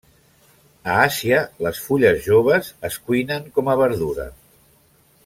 A Àsia, les fulles joves es cuinen com a verdura.